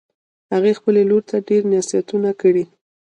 هغې خپلې لور ته ډېر نصیحتونه کړي